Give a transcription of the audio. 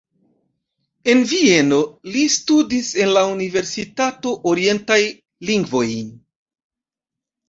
En Vieno li studis en la universitato orientajn lingvojn.